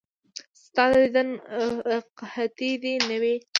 ستا د دیدن قحطي دې نه وي.